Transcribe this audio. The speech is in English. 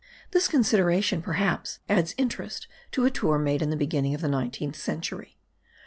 This consideration perhaps adds interest to a tour made in the beginning of the nineteenth century.